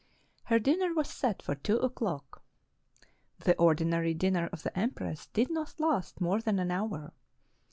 Her dinner was set for two o'clock. The ordinary din ner of the empress did not last more than an hour.